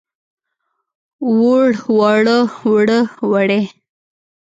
ووړ، واړه، وړه، وړې.